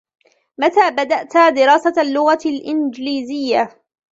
متى بدأتَ دراسة اللغة الانجليزية؟